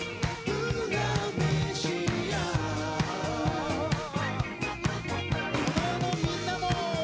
うらめしや大人のみんなも！